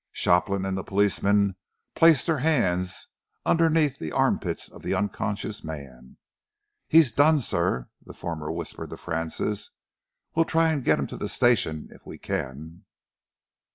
Shopland and the policeman placed their hands underneath the armpits of the unconscious man. "He's done, sir," the former whispered to Francis. "We'll try and get him to the station if we can."